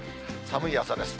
寒い朝です。